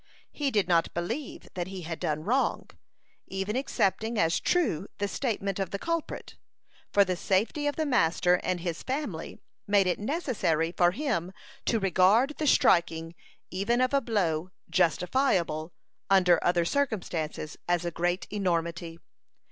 He did not believe that he had done wrong, even accepting as true the statement of the culprit; for the safety of the master and his family made it necessary for him to regard the striking even of a blow justifiable under other circumstances as a great enormity.